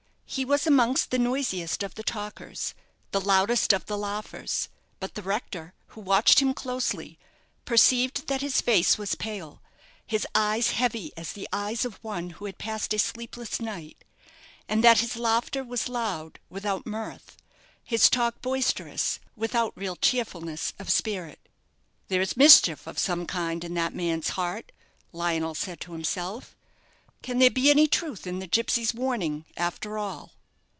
He was amongst the noisiest of the talkers, the loudest of the laughers; but the rector, who watched him closely, perceived that his face was pale, his eyes heavy as the eyes of one who had passed a sleepless night, and that his laughter was loud without mirth, his talk boisterous, without real cheerfulness of spirit. "There is mischief of some kind in that man's heart," Lionel said to himself. "Can there be any truth in the gipsy's warning after all?"